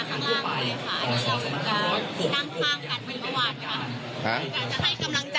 อันนี้จะต้องจับเบอร์เพื่อที่จะแข่งกันแล้วคุณละครับ